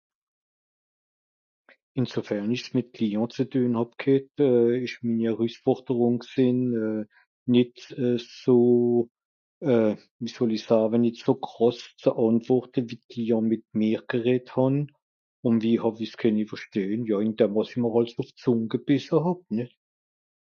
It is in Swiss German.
Dans la mesure où j'avais à faire à des clients mon challenge c'etait de ne pas répondre avec la même brutalité avec laquelle les clients me parlaient Comment j'ai pu y faire face ; on me réfrenant